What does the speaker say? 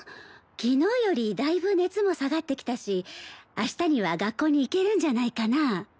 昨日よりだいぶ熱も下がってきたし明日には学校に行けるんじゃないかな。